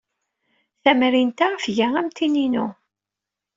Tamrint-a tga am tin-inu.